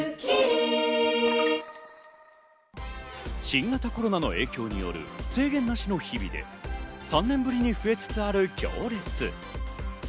新型コロナの影響による制限なしの日々で、３年ぶりに増えつつある行列。